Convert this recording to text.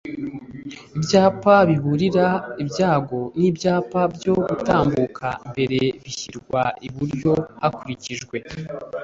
ibyapa biburira ibyago n ibyapa byo gutambuka mbere bishyirwa iburyo hakurikijwe